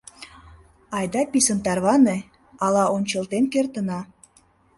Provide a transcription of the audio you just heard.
— Айда писын тарване, ала ончылтен кертына.